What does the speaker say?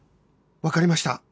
わかりました。